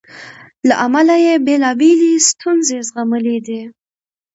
له امله یې بېلابېلې ستونزې زغملې دي.